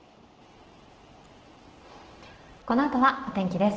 このあとは、お天気です。